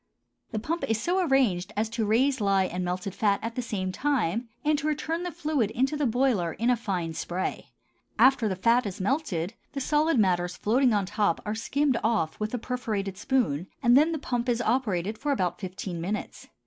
The pump is so arranged as to raise lye and melted fat at the same time and to return the fluid into the boiler in a fine spray. After the fat is melted, the solid matters floating on top are skimmed off with a perforated spoon, and then the pump is operated for about fifteen minutes.